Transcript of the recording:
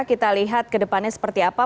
kita lihat kedepannya seperti apa